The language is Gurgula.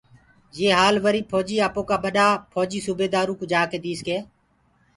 يي هوآل وريٚ ڦوجيٚ آپوڪآ ٻڏآ ڦوجيٚ سوبيدآروُ جآڪي ديس ڪي